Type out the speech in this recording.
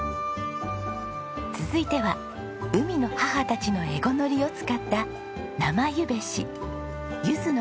続いては海の母たちのエゴノリを使った生柚餅子。